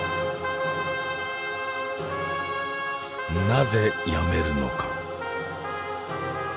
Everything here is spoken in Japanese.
なぜやめるのか。